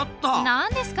何ですか？